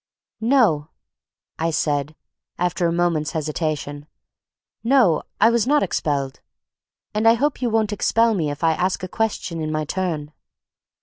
"No," I said, after a moment's hesitation; "no, I was not expelled. And I hope you won't expel me if I ask a question in my turn?"